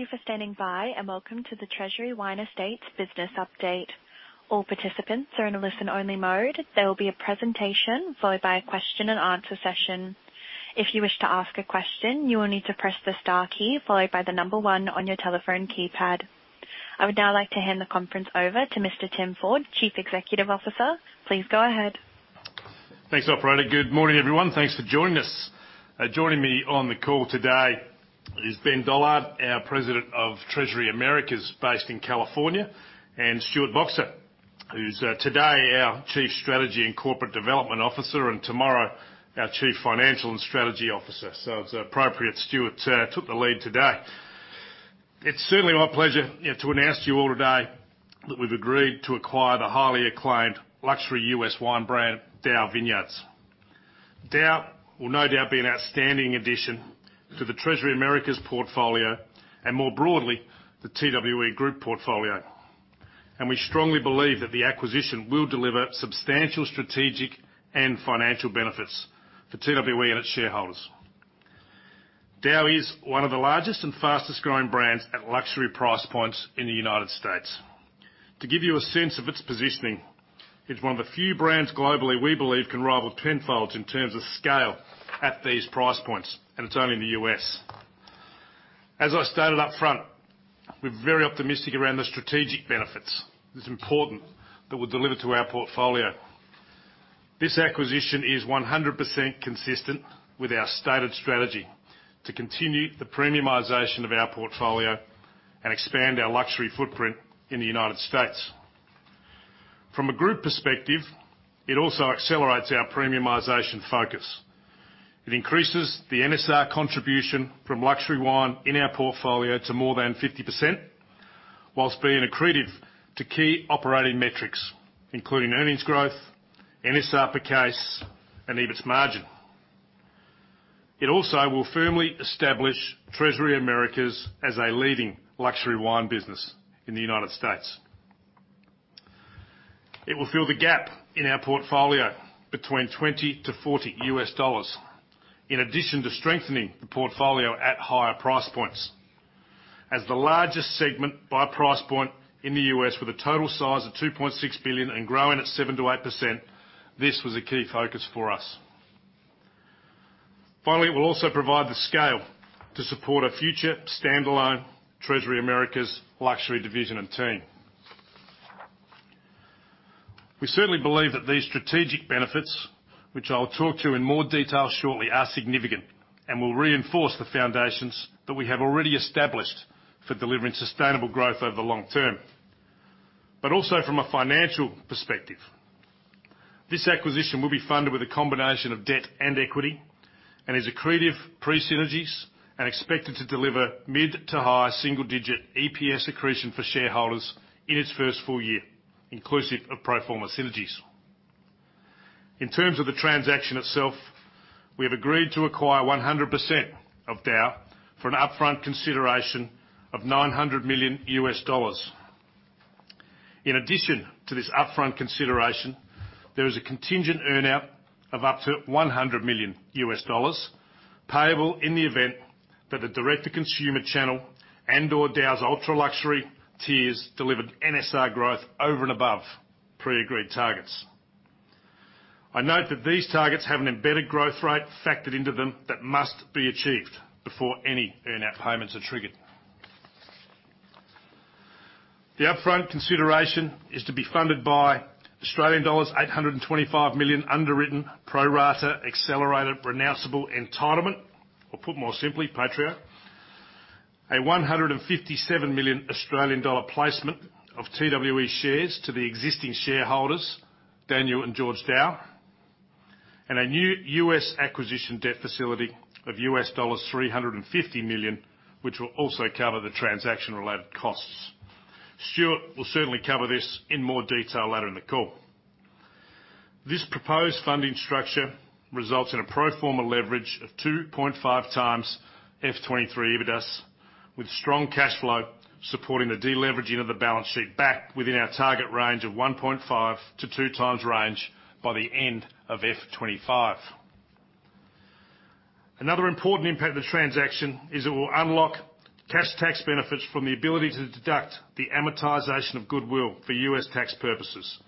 Thank you for standing by, and welcome to the Treasury Wine Estates Business Update. All participants are in a listen-only mode. There will be a presentation, followed by a Q&A session. If you wish to ask a question, you will need to press the star key followed by the number one on your telephone keypad. I would now like to hand the conference over to Mr. Tim Ford, Chief Executive Officer. Please go ahead. Thanks, operator. Good morning, everyone. Thanks for joining us. Joining me on the call today is Ben Dollard, our President of Treasury Americas, based in California, and Stuart Boxer, who's today, our Chief Strategy and Corporate Development Officer, and tomorrow, our Chief Financial and Strategy Officer. So it's appropriate Stuart took the lead today. It's certainly my pleasure, you know, to announce to you all today that we've agreed to acquire the highly acclaimed luxury U.S. wine brand, DAOU Vineyards. DAOU will no doubt be an outstanding addition to the Treasury Americas portfolio, and more broadly, the TWE group portfolio. We strongly believe that the acquisition will deliver substantial strategic and financial benefits for TWE and its shareholders. DAOU is one of the largest and fastest growing brands at luxury price points in the United States. To give you a sense of its positioning, it's one of the few brands globally we believe can rival Penfolds in terms of scale at these price points, and it's only in the U.S. As I stated up front, we're very optimistic around the strategic benefits. It's important that we deliver to our portfolio. This acquisition is 100% consistent with our stated strategy to continue the premiumization of our portfolio and expand our luxury footprint in the United States. From a group perspective, it also accelerates our premiumization focus. It increases the NSR contribution from luxury wine in our portfolio to more than 50%, while being accretive to key operating metrics, including earnings growth, NSR per case, and EBITS margin. It also will firmly establish Treasury Americas as a leading luxury wine business in the United States. It will fill the gap in our portfolio between $20-$40, in addition to strengthening the portfolio at higher price points. As the largest segment by price point in the U.S., with a total size of $2.6 billion and growing at 7%-8%, this was a key focus for us. Finally, it will also provide the scale to support a future standalone Treasury Americas luxury division and team. We certainly believe that these strategic benefits, which I'll talk to in more detail shortly, are significant and will reinforce the foundations that we have already established for delivering sustainable growth over the long term. But also from a financial perspective, this acquisition will be funded with a combination of debt and equity and is accretive pre-synergies and expected to deliver mid- to high-single-digit EPS accretion for shareholders in its first full year, inclusive of pro forma synergies. In terms of the transaction itself, we have agreed to acquire 100% of DAOU for an upfront consideration of $900 million. In addition to this upfront consideration, there is a contingent earn-out of up to $100 million, payable in the event that the direct-to-consumer channel and/or DAOU's ultra-luxury tiers delivered NSR growth over and above pre-agreed targets. I note that these targets have an embedded growth rate factored into them that must be achieved before any earn-out payments are triggered. The upfront consideration is to be funded by Australian dollars 825 million underwritten pro rata accelerated renounceable entitlement, or put more simply, PAITREO, a 157 million Australian dollar placement of TWE shares to the existing shareholders, Daniel and Georges Daou, and a new U.S. acquisition debt facility of $350 million, which will also cover the transaction-related costs. Stuart will certainly cover this in more detail later in the call. This proposed funding structure results in a pro forma leverage of 2.5x FY 2023 EBITDAS, with strong cash flow supporting the deleveraging of the balance sheet back within our target range of 1.5x-2x range by the end of FY 2025. Another important impact of the transaction is it will unlock cash tax benefits from the ability to deduct the amortization of goodwill for U.S. tax purposes.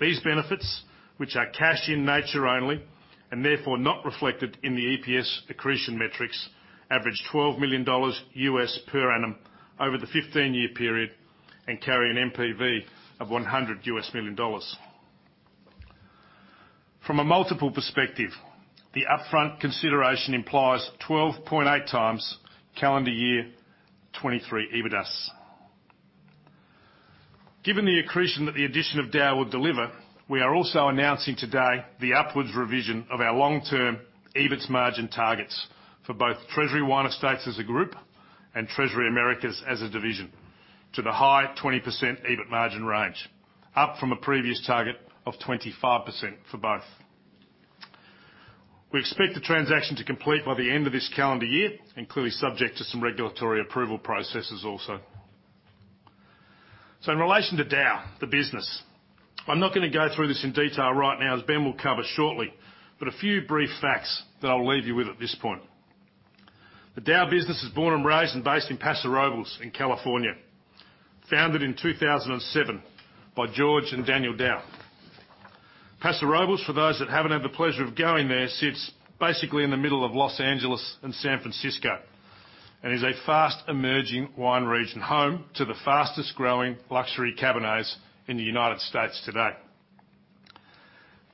These benefits, which are cash in nature only and therefore not reflected in the EPS accretion metrics, average $12 million per annum over the 15-year period and carry an NPV of $100 million. From a multiple perspective, the upfront consideration implies 12.8x calendar year 2023 EBITDAS. Given the accretion that the addition of DAOU will deliver, we are also announcing today the upwards revision of our long-term EBITS margin targets for both Treasury Wine Estates as a group and Treasury Americas as a division, to the high 20% EBIT margin range, up from a previous target of 25% for both. We expect the transaction to complete by the end of this calendar year, and clearly subject to some regulatory approval processes also. So in relation to DAOU, the business, I'm not gonna go through this in detail right now, as Ben will cover shortly, but a few brief facts that I'll leave you with at this point. The DAOU business is born and raised and based in Paso Robles, in California, founded in 2007 by Georges and Daniel Daou. Paso Robles, for those that haven't had the pleasure of going there, sits basically in the middle of Los Angeles and San Francisco, and is a fast-emerging wine region, home to the fastest-growing luxury Cabernets in the United States today.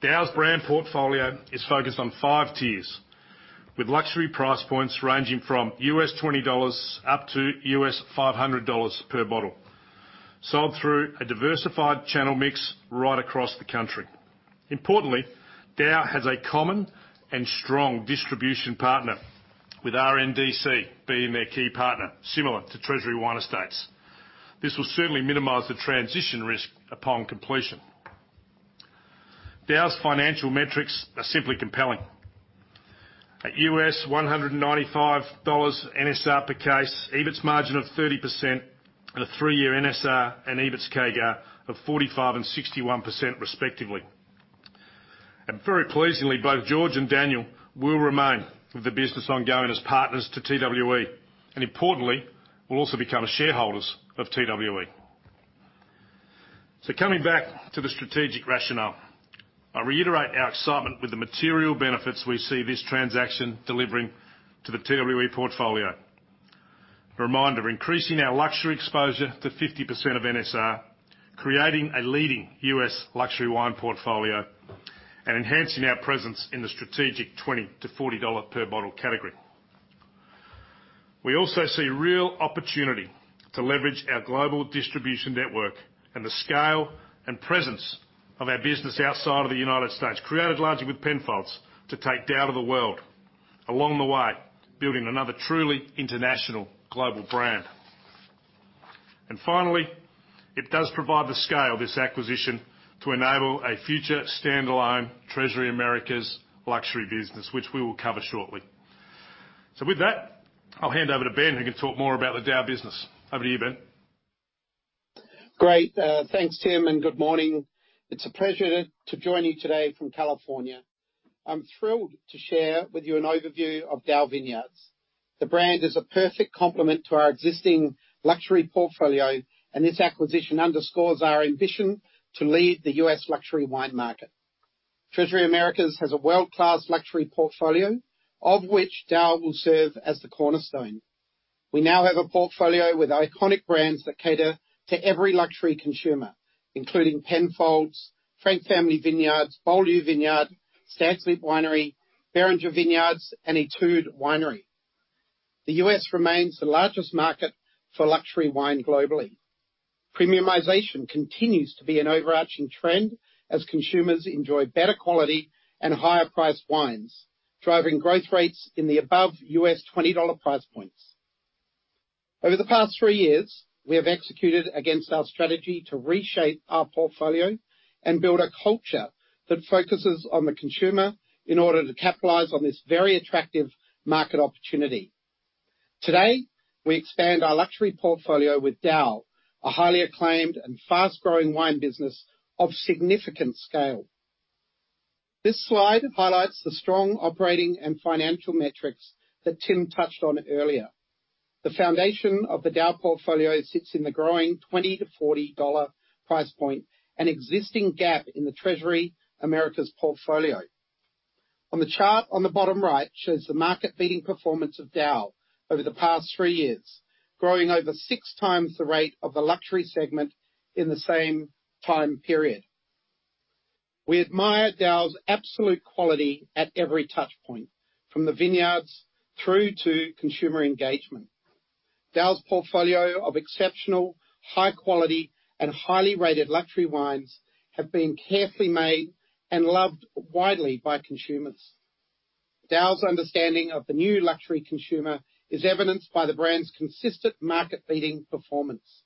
DAOU's brand portfolio is focused on five tiers, with luxury price points ranging from $20 up to U.S. $500 per bottle, sold through a diversified channel mix right across the country. Importantly, DAOU has a common and strong distribution partner, with RNDC being their key partner, similar to Treasury Wine Estates. This will certainly minimize the transition risk upon completion. DAOU's financial metrics are simply compelling. At U.S. $195 NSR per case, EBITS margin of 30%, and a three-year NSR and EBITS CAGR of 45% and 61%, respectively. And very pleasingly, both George and Daniel will remain with the business ongoing as partners to TWE, and importantly, will also become shareholders of TWE. Coming back to the strategic rationale, I reiterate our excitement with the material benefits we see this transaction delivering to the TWE portfolio. A reminder, increasing our luxury exposure to 50% of NSR, creating a leading U.S. luxury wine portfolio, and enhancing our presence in the strategic $20-$40 per bottle category. We also see real opportunity to leverage our global distribution network and the scale and presence of our business outside of the United States, created largely with Penfolds, to take DAOU to the world, along the way, building another truly international global brand. And finally, it does provide the scale, this acquisition, to enable a future standalone Treasury Americas luxury business, which we will cover shortly. So with that, I'll hand over to Ben, who can talk more about the DAOU business. Over to you, Ben. Great. Thanks, Tim, and good morning. It's a pleasure to join you today from California. I'm thrilled to share with you an overview of DAOU Vineyards. The brand is a perfect complement to our existing luxury portfolio, and this acquisition underscores our ambition to lead the U.S. luxury wine market. Treasury Americas has a world-class luxury portfolio, of which DAOU will serve as the cornerstone. We now have a portfolio with iconic brands that cater to every luxury consumer, including Penfolds, Frank Family Vineyards, Beaulieu Vineyard, Stags' Leap Winery, Beringer Vineyards, and Etude Winery. The U.S. remains the largest market for luxury wine globally. Premiumization continues to be an overarching trend as consumers enjoy better quality and higher priced wines, driving growth rates in the above U.S. $20 price points. Over the past three years, we have executed against our strategy to reshape our portfolio and build a culture that focuses on the consumer in order to capitalize on this very attractive market opportunity. Today, we expand our luxury portfolio with DAOU, a highly acclaimed and fast-growing wine business of significant scale. This slide highlights the strong operating and financial metrics that Tim touched on earlier. The foundation of the DAOU portfolio sits in the growing $20-$40 price point, an existing gap in the Treasury Americas portfolio. On the chart on the bottom right shows the market-leading performance of DAOU over the past three years, growing over 6x the rate of the luxury segment in the same time period. We admire DAOU's absolute quality at every touch point, from the vineyards through to consumer engagement. DAOU's portfolio of exceptional, high quality, and highly rated luxury wines have been carefully made and loved widely by consumers. DAOU's understanding of the new luxury consumer is evidenced by the brand's consistent market-leading performance.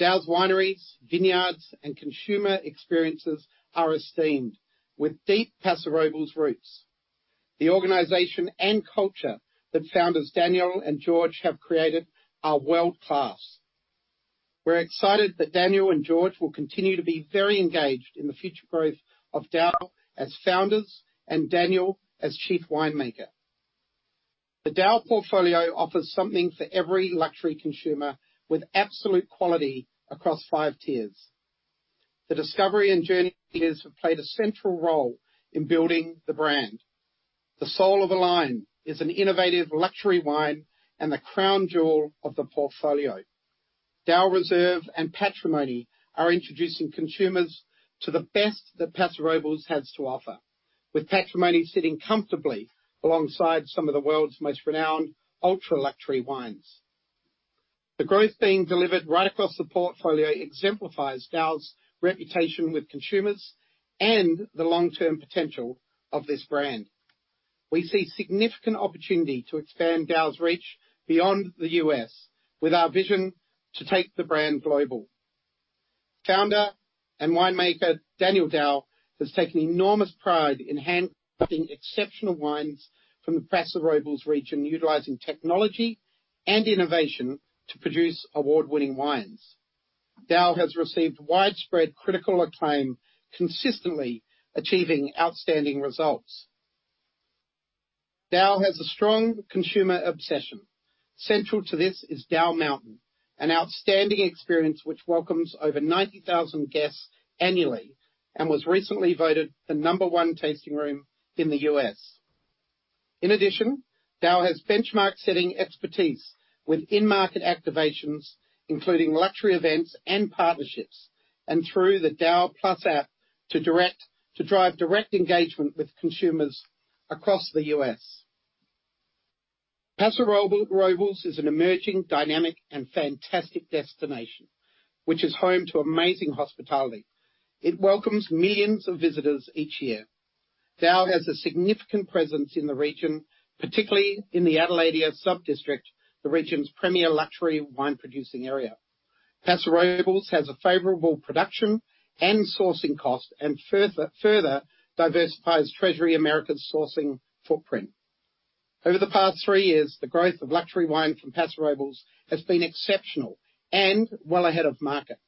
DAOU's wineries, vineyards, and consumer experiences are esteemed with deep Paso Robles roots. The organization and culture that founders Daniel and Georges have created are world-class. We're excited that Daniel and Georges will continue to be very engaged in the future growth of DAOU as founders, and Daniel as chief winemaker. The DAOU portfolio offers something for every luxury consumer, with absolute quality across five tiers. The Discovery and Journey tiers have played a central role in building the brand. The Soul of a Lion is an innovative luxury wine and the crown jewel of the portfolio. DAOU Reserve and Patrimony are introducing consumers to the best that Paso Robles has to offer, with Patrimony sitting comfortably alongside some of the world's most renowned ultra-luxury wines. The growth being delivered right across the portfolio exemplifies DAOU's reputation with consumers and the long-term potential of this brand. We see significant opportunity to expand DAOU's reach beyond the U.S. with our vision to take the brand global.... Founder and winemaker, Daniel Daou, has taken enormous pride in hand-crafting exceptional wines from the Paso Robles region, utilizing technology and innovation to produce award-winning wines. DAOU has received widespread critical acclaim, consistently achieving outstanding results. DAOU has a strong consumer obsession. Central to this is DAOU Mountain, an outstanding experience which welcomes over 90,000 guests annually, and was recently voted the number one tasting room in the U.S. In addition, DAOU has benchmark-setting expertise with in-market activations, including luxury events and partnerships, and through the DAOU+ app, to drive direct engagement with consumers across the US. Paso Robles is an emerging, dynamic, and fantastic destination, which is home to amazing hospitality. It welcomes millions of visitors each year. DAOU has a significant presence in the region, particularly in the Adelaida sub-district, the region's premier luxury wine-producing area. Paso Robles has a favorable production and sourcing cost, and further diversifies Treasury Americas' sourcing footprint. Over the past three years, the growth of luxury wine from Paso Robles has been exceptional and well ahead of market.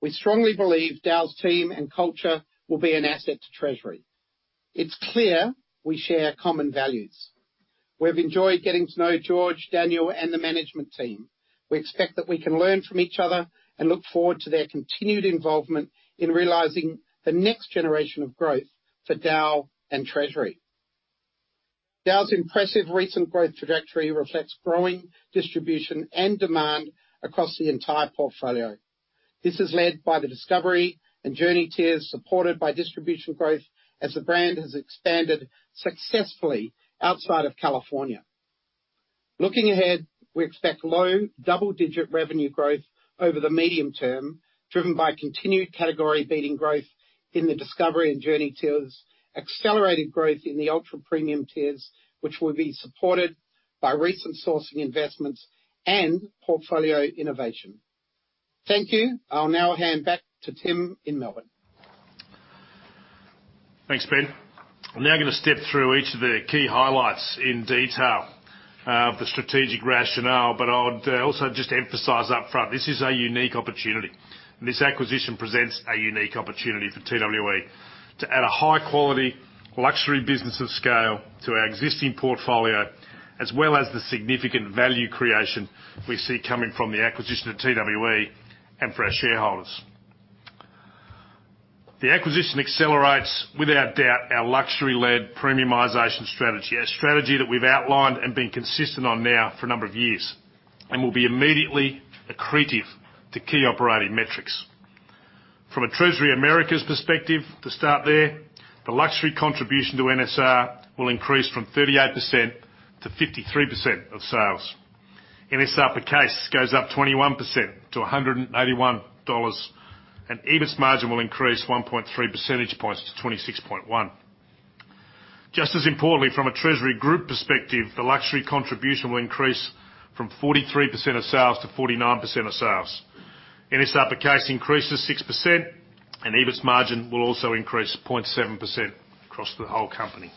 We strongly believe DAOU's team and culture will be an asset to Treasury. It's clear we share common values. We've enjoyed getting to know Georges, Daniel, and the management team. We expect that we can learn from each other, and look forward to their continued involvement in realizing the next generation of growth for DAOU and Treasury. DAOU's impressive recent growth trajectory reflects growing distribution and demand across the entire portfolio. This is led by the Discovery and Journey tiers, supported by distribution growth, as the brand has expanded successfully outside of California. Looking ahead, we expect low double-digit revenue growth over the medium term, driven by continued category-beating growth in the Discovery and Journey tiers, accelerated growth in the ultra-premium tiers, which will be supported by recent sourcing investments and portfolio innovation. Thank you. I'll now hand back to Tim in Melbourne. Thanks, Ben. I'm now going to step through each of the key highlights in detail of the strategic rationale, but I would also just emphasize up front, this is a unique opportunity. This acquisition presents a unique opportunity for TWE to add a high-quality, luxury business of scale to our existing portfolio, as well as the significant value creation we see coming from the acquisition of TWE and for our shareholders. The acquisition accelerates, without doubt, our luxury-led premiumization strategy, a strategy that we've outlined and been consistent on now for a number of years, and will be immediately accretive to key operating metrics. From a Treasury Americas perspective, to start there, the luxury contribution to NSR will increase from 38% to 53% of sales. NSR per case goes up 21% to $181, and EBITS margin will increase 1.3 percentage points to 26.1%. Just as importantly, from a Treasury group perspective, the luxury contribution will increase from 43% of sales to 49% of sales. NSR per case increases 6%, and EBITS margin will also increase 0.7% across the whole company.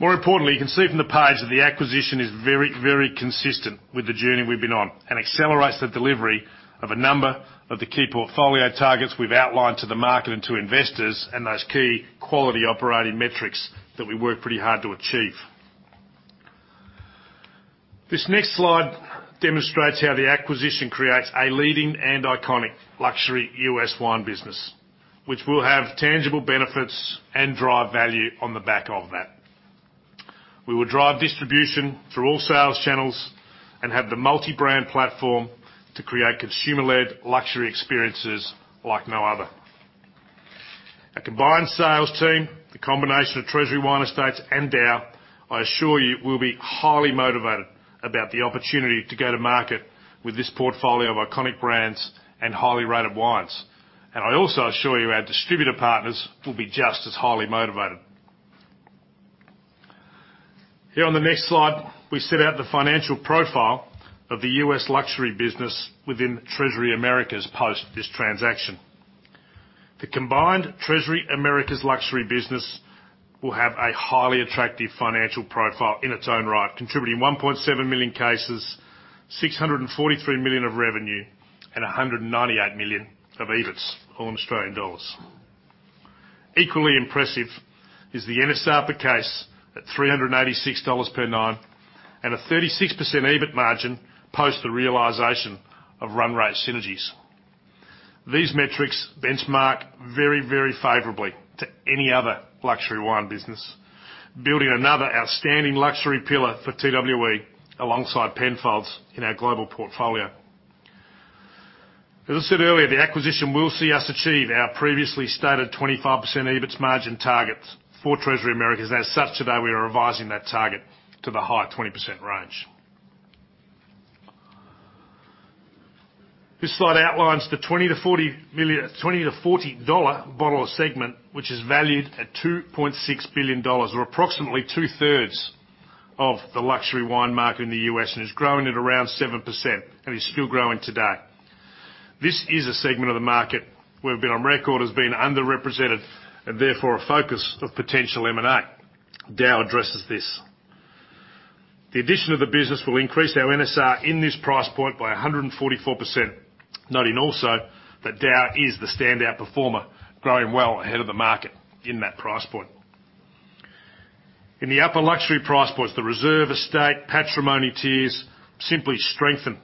More importantly, you can see from the page that the acquisition is very, very consistent with the journey we've been on, and accelerates the delivery of a number of the key portfolio targets we've outlined to the market and to investors, and those key quality operating metrics that we worked pretty hard to achieve. This next slide demonstrates how the acquisition creates a leading and iconic luxury U.S. wine business, which will have tangible benefits and drive value on the back of that. We will drive distribution through all sales channels and have the multi-brand platform to create consumer-led luxury experiences like no other. Our combined sales team, the combination of Treasury Wine Estates and DAOU, I assure you, will be highly motivated about the opportunity to go to market with this portfolio of iconic brands and highly rated wines. And I also assure you, our distributor partners will be just as highly motivated. Here on the next slide, we set out the financial profile of the U.S. luxury business within Treasury Americas, post this transaction. The combined Treasury Americas luxury business will have a highly attractive financial profile in its own right, contributing 1.7 million cases, 643 million of revenue, and 198 million of EBITS, all in AUD. Equally impressive is the NSR per case, at 386 dollars per nine, and a 36% EBIT margin, post the realization of run rate synergies. These metrics benchmark very, very favorably to any other luxury wine business, building another outstanding luxury pillar for TWE, alongside Penfolds in our global portfolio. As I said earlier, the acquisition will see us achieve our previously stated 25% EBITS margin targets for Treasury Americas. As such, today, we are revising that target to the higher 20% range. This slide outlines the 20-40 dollar bottle segment, which is valued at $2.6 billion, or approximately two-thirds of the luxury wine market in the U.S. and is growing at around 7% and is still growing today. This is a segment of the market where we've been on record as being underrepresented and therefore, a focus of potential M&A. DAOU addresses this. The addition of the business will increase our NSR in this price point by 144%. Noting also, that DAOU is the standout performer, growing well ahead of the market in that price point. In the upper luxury price points, the reserve estate, Patrimony tiers, simply strengthen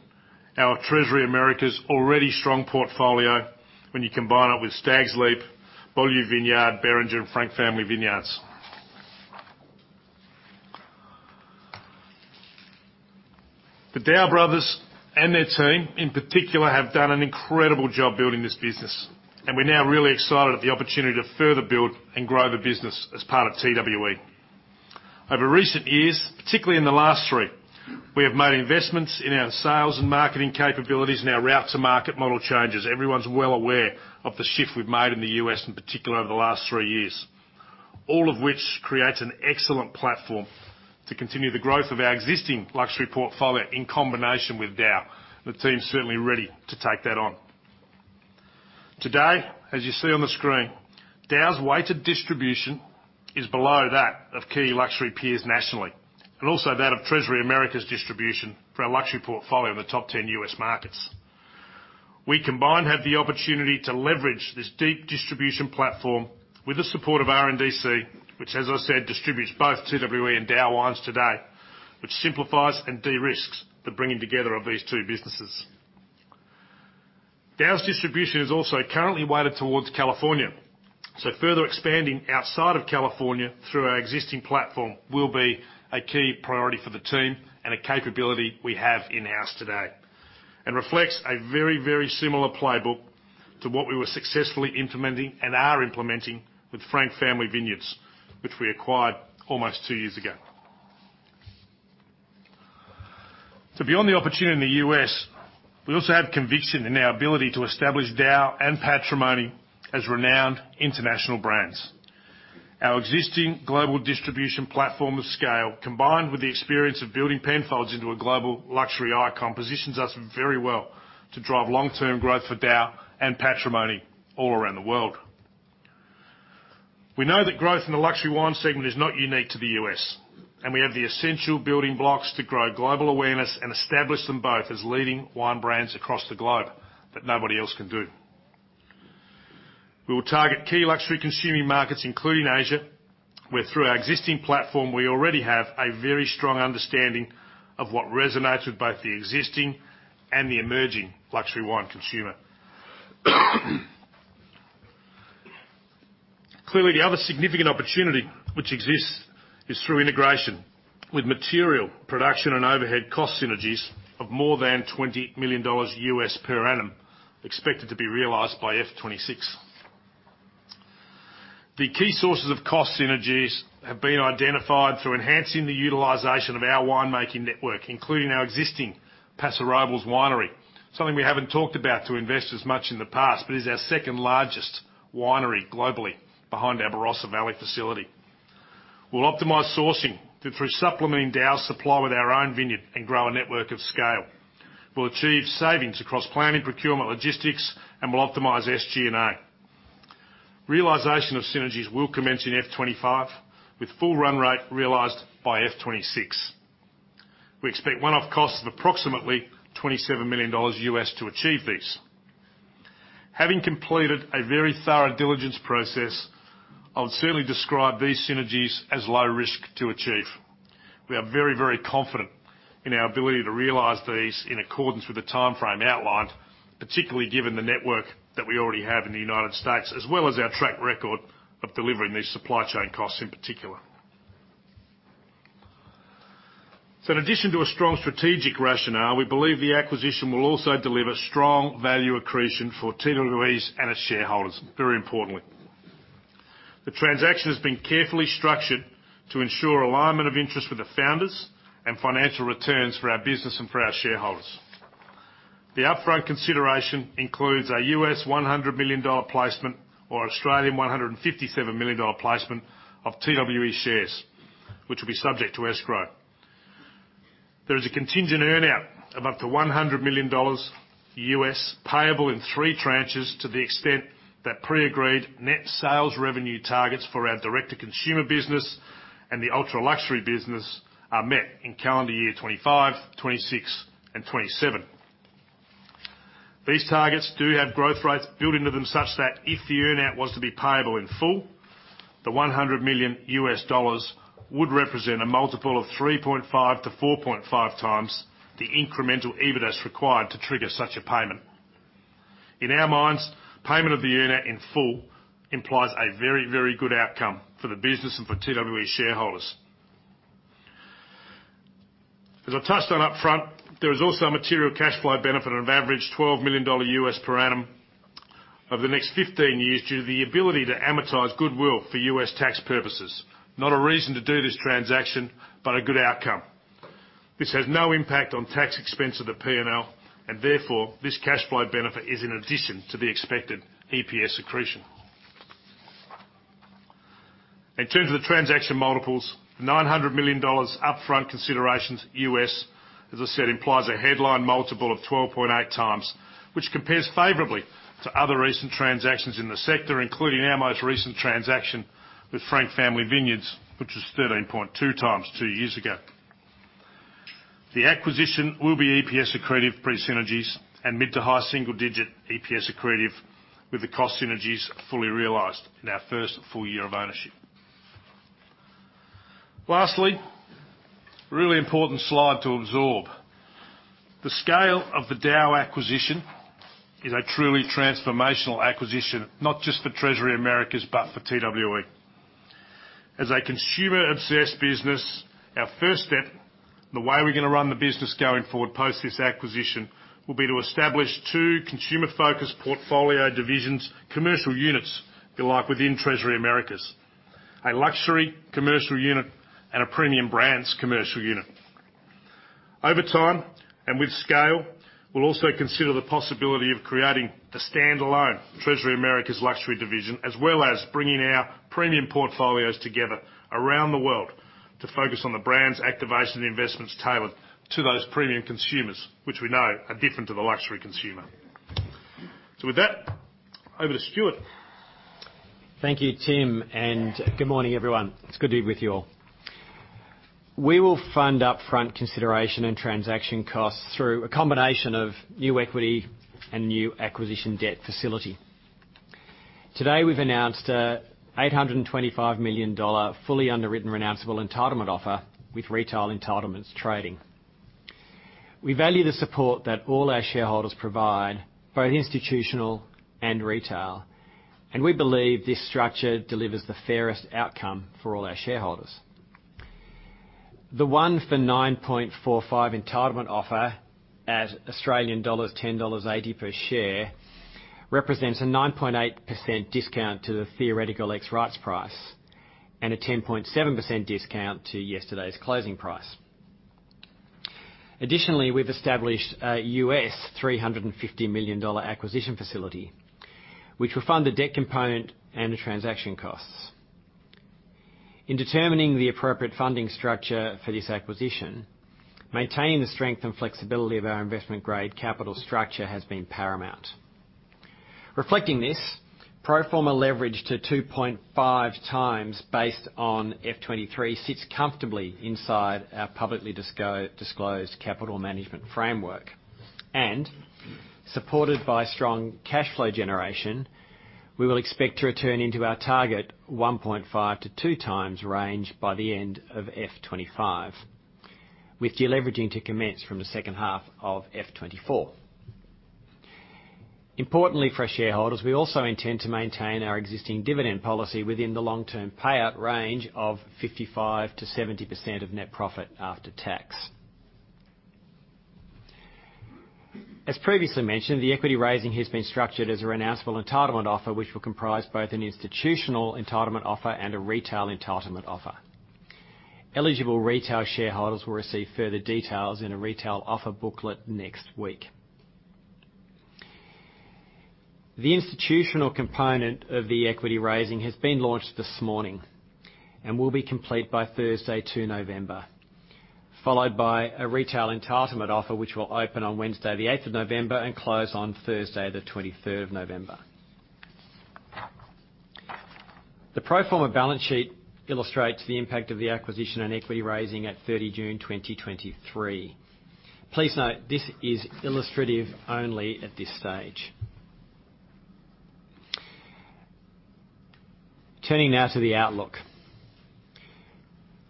our Treasury Americas already strong portfolio when you combine it with Stags' Leap, Beaulieu Vineyard, Beringer, and Frank Family Vineyards. The Daou brothers and their team, in particular, have done an incredible job building this business, and we're now really excited at the opportunity to further build and grow the business as part of TWE. Over recent years, particularly in the last three, we have made investments in our sales and marketing capabilities and our route to market model changes. Everyone's well aware of the shift we've made in the U.S., in particular, over the last three years. All of which creates an excellent platform to continue the growth of our existing luxury portfolio in combination with DAOU. The team's certainly ready to take that on. Today, as you see on the screen, DAOU's weighted distribution is below that of key luxury peers nationally, and also that of Treasury Americas distribution for our luxury portfolio in the top 10 U.S. markets. We combined have the opportunity to leverage this deep distribution platform with the support of RNDC, which, as I said, distributes both TWE and DAOU wines today, which simplifies and de-risks the bringing together of these two businesses. DAOU's distribution is also currently weighted towards California, so further expanding outside of California through our existing platform will be a key priority for the team and a capability we have in-house today, and reflects a very, very similar playbook to what we were successfully implementing and are implementing with Frank Family Vineyards, which we acquired almost two years ago. So beyond the opportunity in the U.S., we also have conviction in our ability to establish DAOU and Patrimony as renowned international brands. Our existing global distribution platform of scale, combined with the experience of building Penfolds into a global luxury icon, positions us very well to drive long-term growth for DAOU and Patrimony all around the world. We know that growth in the luxury wine segment is not unique to the U.S., and we have the essential building blocks to grow global awareness and establish them both as leading wine brands across the globe that nobody else can do. We will target key luxury consuming markets, including Asia, where through our existing platform, we already have a very strong understanding of what resonates with both the existing and the emerging luxury wine consumer. Clearly, the other significant opportunity which exists is through integration with material production and overhead cost synergies of more than $20 million per annum, expected to be realized by FY 2026. The key sources of cost synergies have been identified through enhancing the utilization of our winemaking network, including our existing Paso Robles Winery, something we haven't talked about to investors much in the past, but is our second-largest winery globally, behind our Barossa Valley facility. We'll optimize sourcing through supplementing DAOU's supply with our own vineyard and grow a network of scale. We'll achieve savings across planning, procurement, logistics, and we'll optimize SG&A. Realization of synergies will commence in F 25, with full run rate realized by F 26. We expect one-off costs of approximately $27 million to achieve these. Having completed a very thorough diligence process, I would certainly describe these synergies as low risk to achieve. We are very, very confident in our ability to realize these in accordance with the timeframe outlined, particularly given the network that we already have in the United States, as well as our track record of delivering these supply chain costs in particular. So in addition to a strong strategic rationale, we believe the acquisition will also deliver strong value accretion for TWE's and its shareholders, very importantly. The transaction has been carefully structured to ensure alignment of interest with the founders and financial returns for our business and for our shareholders. The upfront consideration includes a U.S. $100 million placement or 157 million Australian dollars placement of TWE shares, which will be subject to escrow. There is a contingent earn-out of up to $100 million, payable in three tranches to the extent that pre-agreed net sales revenue targets for our direct-to-consumer business and the ultra-luxury business are met in calendar year 2025, 2026, and 2027. These targets do have growth rates built into them such that if the earn-out was to be payable in full, the $100 million would represent a multiple of 3.5-4.5 times the incremental EBITDAS required to trigger such a payment. In our minds, payment of the earn-out in full implies a very, very good outcome for the business and for TWE shareholders. As I touched on upfront, there is also a material cash flow benefit of average $12 million per annum over the next 15 years, due to the ability to amortize goodwill for U.S. tax purposes. Not a reason to do this transaction, but a good outcome. This has no impact on tax expense of the P&L, and therefore, this cash flow benefit is in addition to the expected EPS accretion. In terms of the transaction multiples, $900 million upfront considerations US, as I said, implies a headline multiple of 12.8x, which compares favorably to other recent transactions in the sector, including our most recent transaction with Frank Family Vineyards, which was 13.2x two years ago. The acquisition will be EPS accretive pre-synergies and mid- to high single-digit EPS accretive, with the cost synergies fully realized in our first full year of ownership. Lastly, really important slide to absorb. The scale of the DAOU acquisition is a truly transformational acquisition, not just for Treasury Americas, but for TWE. As a consumer-obsessed business, our first step, the way we're going to run the business going forward post this acquisition, will be to establish two consumer-focused portfolio divisions, commercial units, the like within Treasury Americas: a luxury commercial unit and a premium brands commercial unit. Over time, and with scale, we'll also consider the possibility of creating a standalone Treasury Americas luxury division, as well as bringing our premium portfolios together around the world to focus on the brands' activation investments tailored to those premium consumers, which we know are different to the luxury consumer. So with that, over to Stuart. Thank you, Tim, and good morning, everyone. It's good to be with you all. We will fund upfront consideration and transaction costs through a combination of new equity and new acquisition debt facility. Today, we've announced an 825 million dollar, fully underwritten, renounceable entitlement offer, with retail entitlements trading. We value the support that all our shareholders provide, both institutional and retail, and we believe this structure delivers the fairest outcome for all our shareholders. The 1 for 9.45 entitlement offer at Australian dollars 10.80 per share, represents a 9.8% discount to the theoretical ex-rights price and a 10.7% discount to yesterday's closing price. Additionally, we've established a $350 million acquisition facility, which will fund the debt component and the transaction costs. In determining the appropriate funding structure for this acquisition, maintaining the strength and flexibility of our investment-grade capital structure has been paramount. Reflecting this, pro forma leverage to 2.5 times based on F 2023, sits comfortably inside our publicly disclosed capital management framework, and supported by strong cash flow generation, we will expect to return into our target 1.5-2 times range by the end of F 2025, with deleveraging to commence from the second half of F 2024. Importantly for our shareholders, we also intend to maintain our existing dividend policy within the long-term payout range of 55%-70% of net profit after tax. As previously mentioned, the equity raising has been structured as a renounceable entitlement offer, which will comprise both an institutional entitlement offer and a retail entitlement offer. Eligible retail shareholders will receive further details in a retail offer booklet next week. The institutional component of the equity raising has been launched this morning and will be complete by Thursday, 2 November, followed by a retail entitlement offer, which will open on Wednesday, the 8th of November, and close on Thursday, the 23rd of November. The pro forma balance sheet illustrates the impact of the acquisition and equity raising at 30 June 2023. Please note, this is illustrative only at this stage. Turning now to the outlook,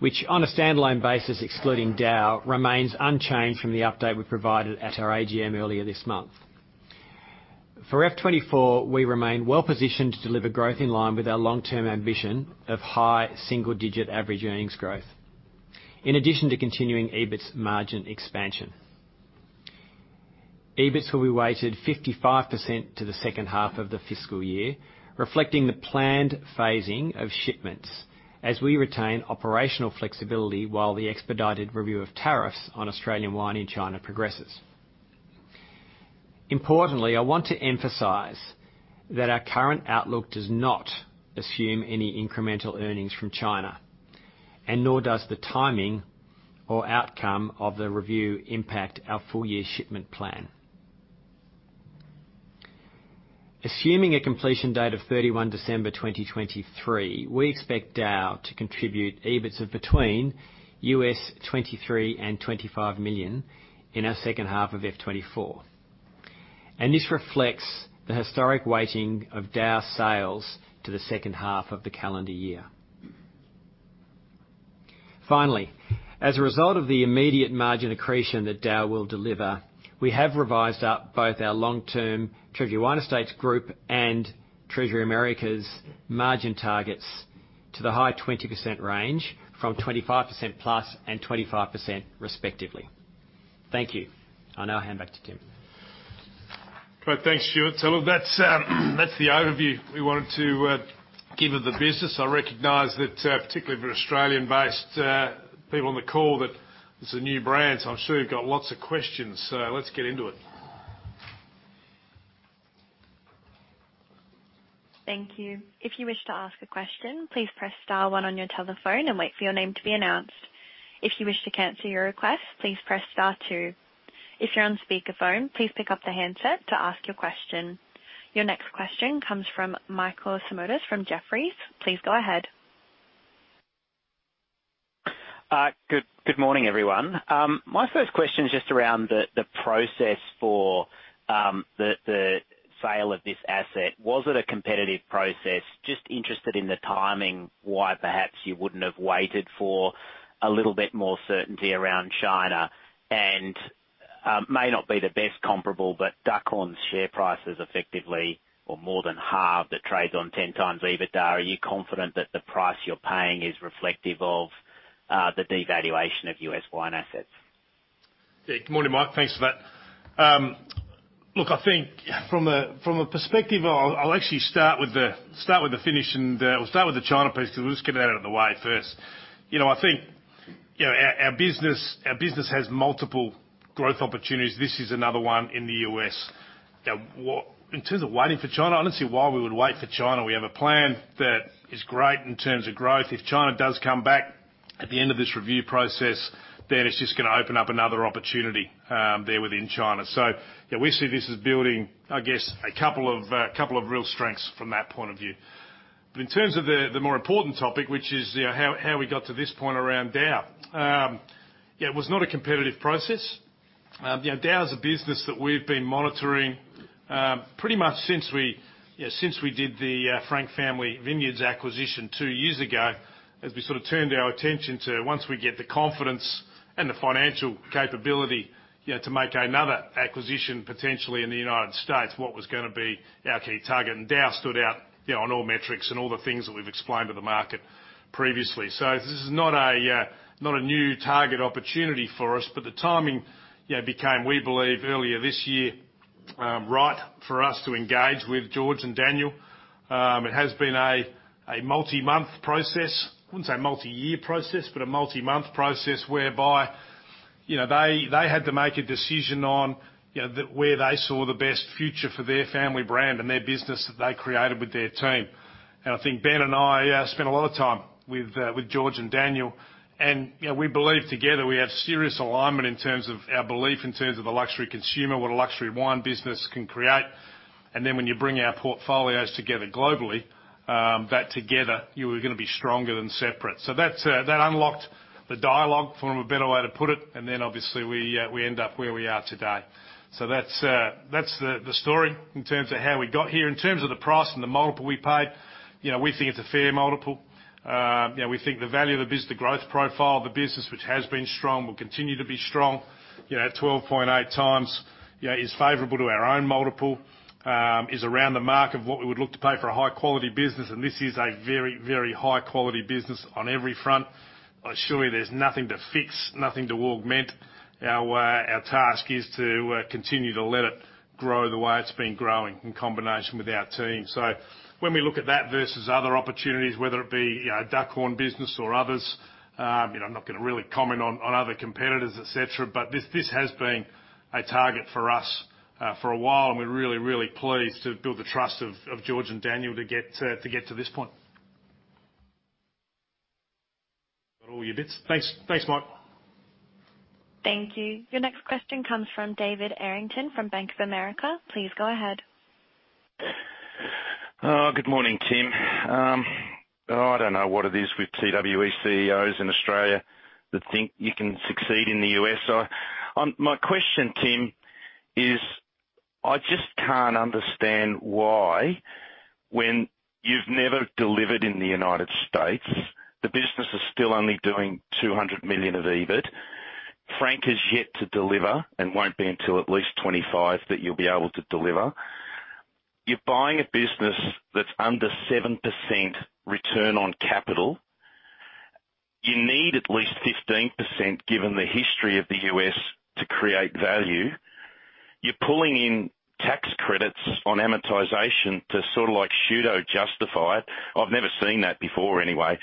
which on a standalone basis, excluding DAOU, remains unchanged from the update we provided at our AGM earlier this month. For FY 2024, we remain well-positioned to deliver growth in line with our long-term ambition of high single-digit average earnings growth, in addition to continuing EBITS margin expansion. EBITS will be weighted 55% to the second half of the fiscal year, reflecting the planned phasing of shipments as we retain operational flexibility while the expedited review of tariffs on Australian wine in China progresses. Importantly, I want to emphasize that our current outlook does not assume any incremental earnings from China, and nor does the timing or outcome of the review impact our full year shipment plan. Assuming a completion date of 31 December 2023, we expect DAOU to contribute EBITS of between $23 million and $25 million in our second half of FY 2024, and this reflects the historic weighting of DAOU sales to the second half of the calendar year. Finally, as a result of the immediate margin accretion that DAOU will deliver, we have revised up both our long-term Treasury Wine Estates group and Treasury Americas margin targets to the high 20% range from 25% plus and 25% respectively. Thank you. I now hand back to Tim. Great. Thanks, Stuart. Look, that's the overview we wanted to give of the business. I recognize that, particularly for Australian-based people on the call, that this is a new brand, so I'm sure you've got lots of questions. So let's get into it. Thank you. If you wish to ask a question, please press star one on your telephone and wait for your name to be announced. If you wish to cancel your request, please press star two. If you're on speakerphone, please pick up the handset to ask your question. Your next question comes from Michael Simotas from Jefferies. Please go ahead. Good, good morning, everyone. My first question is just around the process for the sale of this asset. Was it a competitive process? Just interested in the timing, why perhaps you wouldn't have waited for a little bit more certainty around China. And, may not be the best comparable, but Duckhorn's share price has effectively or more than halved, it trades on 10 times EBITDA. Are you confident that the price you're paying is reflective of the devaluation of U.S. wine assets? Yeah. Good morning, Mike. Thanks for that. Look, I think from a perspective of... I'll actually start with the finish and we'll start with the China piece, so let's get it out of the way first. You know, I think our business has multiple growth opportunities. This is another one in the U.S. Now, what- in terms of waiting for China, I don't see why we would wait for China. We have a plan that is great in terms of growth. If China does come back at the end of this review process, then it's just going to open up another opportunity there within China. So yeah, we see this as building a couple of real strengths from that point of view. But in terms of the more important topic, which is, you know, how we got to this point around DAOU. Yeah, it was not a competitive process. You know, DAOU is a business that we've been monitoring pretty much since we, you know, since we did the Frank Family Vineyards acquisition two years ago, as we sort of turned our attention to once we get the confidence and the financial capability, you know, to make another acquisition, potentially in the United States, what was gonna be our key target? And DAOU stood out, you know, on all metrics and all the things that we've explained to the market previously. So this is not a new target opportunity for us, but the timing, you know, became, we believe, earlier this year right for us to engage with Georges and Daniel. It has been a multi-month process. I wouldn't say multi-year process, but a multi-month process whereby, you know, they had to make a decision on, you know, where they saw the best future for their family brand and their business that they created with their team. And I think Ben and I spent a lot of time with George and Daniel, and, you know, we believe together we have serious alignment in terms of our belief, in terms of the luxury consumer, what a luxury wine business can create. And then when you bring our portfolios together globally, that together you are gonna be stronger than separate. So that unlocked the dialogue, for a better way to put it, and then obviously we end up where we are today. So that's the story in terms of how we got here. In terms of the price and the multiple we paid, you know, we think it's a fair multiple. You know, we think the value of the business, the growth profile of the business, which has been strong, will continue to be strong. You know, at 12.8x is favorable to our own multiple, is around the mark of what we would look to pay for a high-quality business. And this is a very, very high-quality business on every front. I assure you, there's nothing to fix, nothing to augment. Our task is to continue to let it grow the way it's been growing in combination with our team. So when we look at that versus other opportunities, whether it be, you know, Duckhorn business or others, you know, I'm not going to really comment on other competitors, et cetera, but this has been a target for us for a while, and we're really, really pleased to build the trust of George and Daniel to get to this point. Got all your bits. Thanks. Thanks, Mike. Thank you. Your next question comes from David Errington from Bank of America. Please go ahead. Good morning, Tim. I don't know what it is with TWE CEOs in Australia that think you can succeed in the U.S. So, my question, Tim, is: I just can't understand why when you've never delivered in the United States, the business is still only doing $200 million of EBIT. Frank has yet to deliver and won't be until at least 2025 that you'll be able to deliver. You're buying a business that's under 7% return on capital. You need at least 15%, given the history of the U.S., to create value. You're pulling in tax credits on amortization to sort of like pseudo-justify it. I've never seen that before, anyway.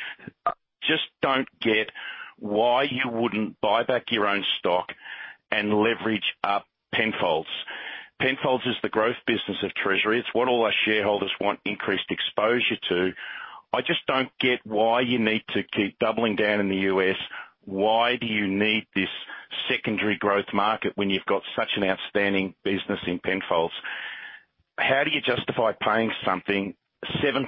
I just don't get why you wouldn't buy back your own stock and leverage up Penfolds. Penfolds is the growth business of Treasury. It's what all our shareholders want increased exposure to. I just don't get why you need to keep doubling down in the U.S. Why do you need this secondary growth market when you've got such an outstanding business in Penfolds? How do you justify paying something 7%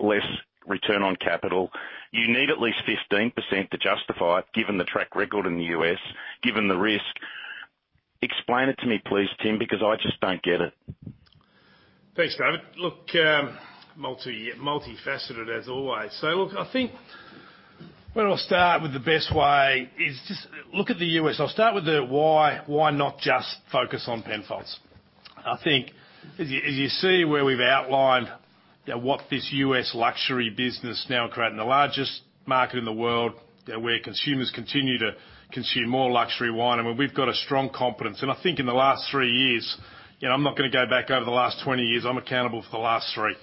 less return on capital? You need at least 15% to justify it, given the track record in the U.S., given the risk. Explain it to me, please, Tim, because I just don't get it. Thanks, David. Look, multifaceted, as always. So look, I think where I'll start with the best way is just look at the U.S. I'll start with the why, why not just focus on Penfolds? I think as you, as you see where we've outlined, what this U.S. luxury business now creating the largest market in the world, where consumers continue to consume more luxury wine. I mean, we've got a strong competence. And I think in the last three years, you know, I'm not going to go back over the last 20 years. I'm accountable for the last three.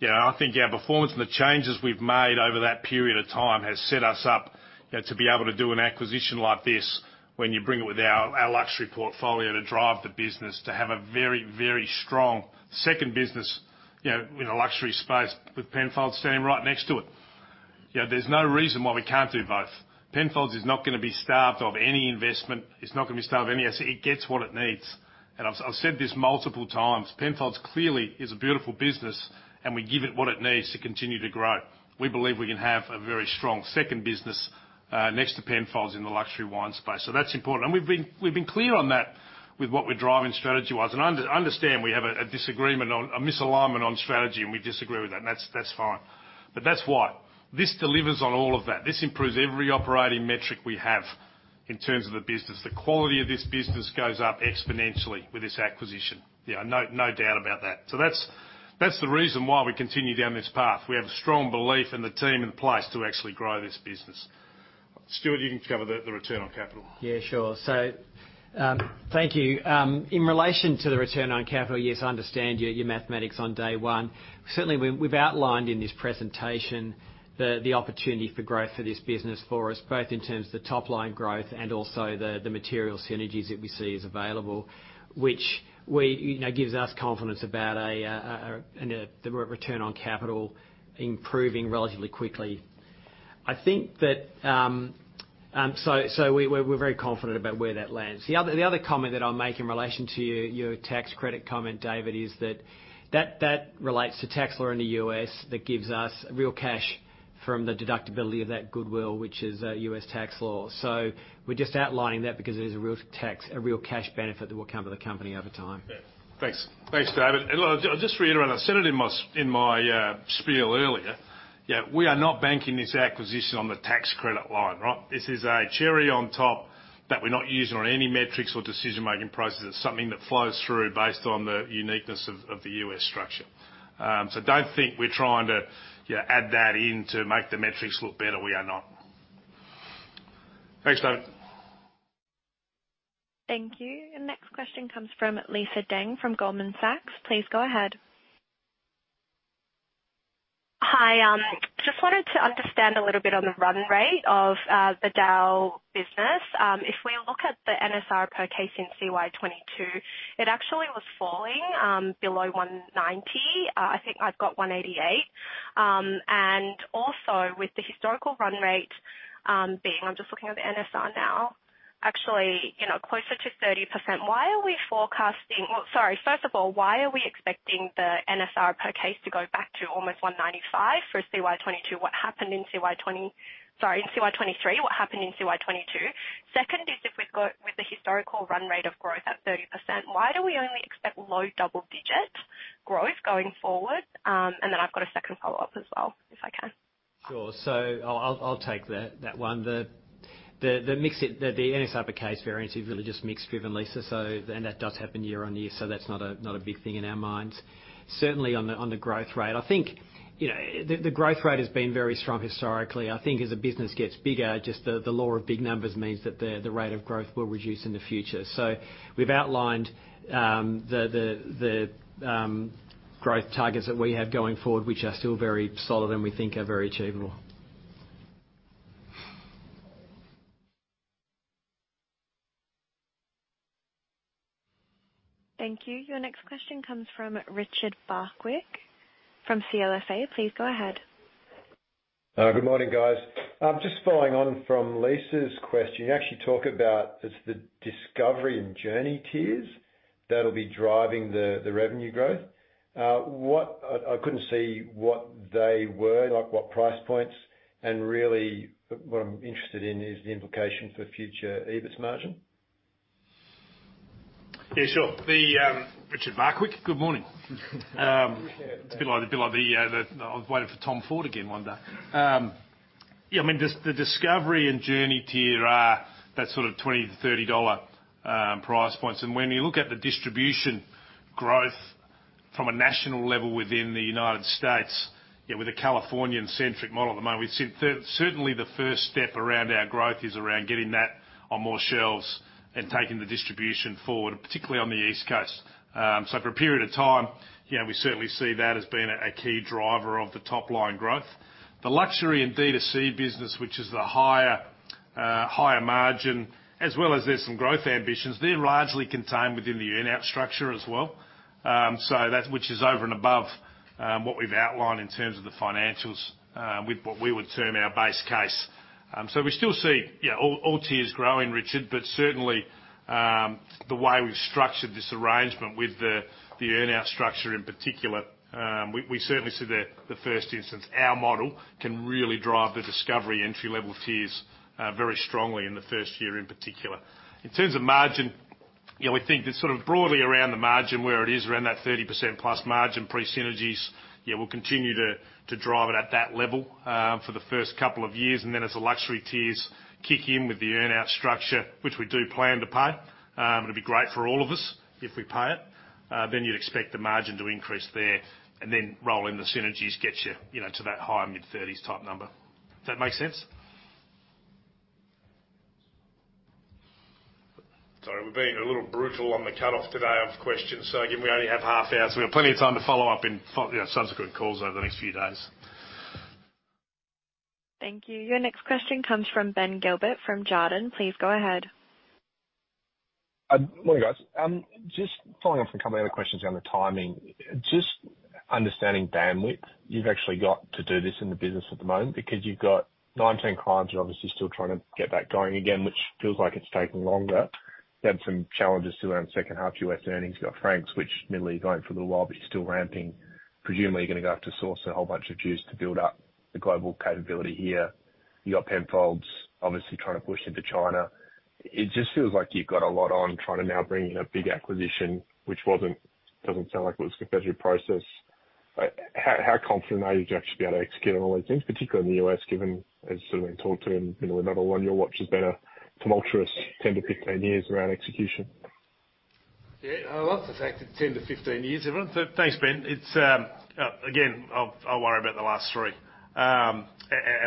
Yeah, I think our performance and the changes we've made over that period of time has set us up, you know, to be able to do an acquisition like this. When you bring it with our luxury portfolio to drive the business, to have a very, very strong second business, you know, in the luxury space with Penfolds standing right next to it. Yeah, there's no reason why we can't do both. Penfolds is not gonna be starved of any investment. It's not gonna be starved of any. It gets what it needs. And I've said this multiple times: Penfolds clearly is a beautiful business, and we give it what it needs to continue to grow. We believe we can have a very strong second business next to Penfolds in the luxury wine space, so that's important. And we've been clear on that with what we're driving strategy-wise. And understand, we have a disagreement on a misalignment on strategy, and we disagree with that, and that's fine. But that's why this delivers on all of that. This improves every operating metric we have in terms of the business. The quality of this business goes up exponentially with this acquisition. Yeah, no, no doubt about that. So that's, that's the reason why we continue down this path. We have a strong belief in the team in place to actually grow this business. Stuart, you can cover the, the return on capital. Yeah, sure. So, thank you. In relation to the return on capital, yes, I understand your, your mathematics on day one. Certainly, we've outlined in this presentation the opportunity for growth for this business for us, both in terms of the top-line growth and also the material synergies that we see is available, which we, you know, gives us confidence about an the return on capital improving relatively quickly. I think that, so we, we're very confident about where that lands. The other comment that I'll make in relation to your, your tax credit comment, David, is that that relates to tax law in the U.S. that gives us real cash from the deductibility of that goodwill, which is U.S. tax law. We're just outlining that because it is a real cash benefit that will come to the company over time. Yeah. Thanks. Thanks, David. And look, I'll just reiterate, I said it in my spiel earlier, yeah, we are not banking this acquisition on the tax credit line, right? This is a cherry on top that we're not using on any metrics or decision-making processes. It's something that flows through based on the uniqueness of the U.S. structure. So don't think we're trying to, yeah, add that in to make the metrics look better. We are not. Thanks, David. Thank you. The next question comes from Lisa Deng from Goldman Sachs. Please go ahead. Hi, just wanted to understand a little bit on the run rate of the DAOU business. If we look at the NSR per case in CY 2022, it actually was falling below $190. I think I've got $188. And also, with the historical run rate being, I'm just looking at the NSR now, actually, you know, closer to 30%, why are we forecasting? Well, sorry. First of all, why are we expecting the NSR per case to go back to almost $195 for CY 2022? What happened in CY 2023? What happened in CY 2022? Second is, if we've got, with the historical run rate of growth at 30%, why do we only expect low double-digit growth going forward? And then I've got a second follow-up as well, if I can. Sure. So I'll take that one. The mix-driven NSR per case variance is really just mix driven, Lisa, so, and that does happen year-on-year, so that's not a big thing in our minds. Certainly, on the growth rate, I think, you know, the growth rate has been very strong historically. I think as the business gets bigger, just the law of big numbers means that the rate of growth will reduce in the future. So we've outlined the growth targets that we have going forward, which are still very solid and we think are very achievable. Thank you. Your next question comes from Richard Barwick from CLSA. Please go ahead. Good morning, guys. Just following on from Lisa's question, you actually talk about just the Discovery and Journey tiers that'll be driving the revenue growth. I couldn't see what they were, like, what price points, and really, what I'm interested in is the implication for future EBITS margin. Yeah, sure. Richard Barwick, good morning. It's a bit like the I was waiting for Tom Ford again one day. Yeah, I mean, just the Discovery and Journey tier are that sort of $20-$30 price points, and when you look at the distribution growth from a national level within the United States, yeah, with a Californian-centric model at the moment, we've seen certainly, the first step around our growth is around getting that on more shelves and taking the distribution forward, particularly on the East Coast. So for a period of time, you know, we certainly see that as being a key driver of the top-line growth. The luxury and D2C business, which is the higher, higher margin, as well as there's some growth ambitions, they're largely contained within the earn-out structure as well. So which is over and above what we've outlined in terms of the financials with what we would term our base case. So we still see, yeah, all, all tiers growing, Richard, but certainly the way we've structured this arrangement with the, the earn-out structure in particular, we, we certainly see the, the first instance, our model can really drive the discovery entry-level tiers very strongly in the first year in particular. In terms of margin, you know, we think that sort of broadly around the margin, where it is around that 30%+ margin, pre-synergies, yeah, we'll continue to drive it at that level for the first couple of years, and then as the luxury tiers kick in with the earn-out structure, which we do plan to pay, it'll be great for all of us if we pay it, then you'd expect the margin to increase there and then roll in the synergies, get you, you know, to that high mid-30s type number. Does that make sense? We're being a little brutal on the cutoff today of questions. So again, we only have half hour, so we have plenty of time to follow up in you know, subsequent calls over the next few days. Thank you. Your next question comes from Ben Gilbert from Jarden. Please go ahead. Morning, guys. Just following up on a couple of other questions around the timing. Just understanding bandwidth, you've actually got to do this in the business at the moment because you've got 19 Crimes, you're obviously still trying to get that going again, which feels like it's taking longer. You had some challenges around second half U.S. earnings. You got Frank's, which admittedly going for a while, but you're still ramping. Presumably, you're gonna have to source a whole bunch of juice to build up the global capability here. You got Penfolds, obviously trying to push into China. It just feels like you've got a lot on, trying to now bring in a big acquisition, which wasn't—doesn't sound like it was a competitive process. How confident are you to actually be able to execute on all these things, particularly in the U.S., given, as sort of been talked to, and you know, another one on your watch has been a tumultuous 10-15 years around execution? Yeah, I love the fact that 10-15 years, everyone. So thanks, Ben. It's again, I'll worry about the last three. And